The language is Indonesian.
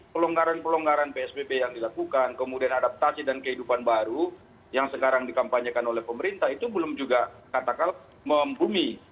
pelonggaran pelonggaran psbb yang dilakukan kemudian adaptasi dan kehidupan baru yang sekarang dikampanyekan oleh pemerintah itu belum juga katakan membumi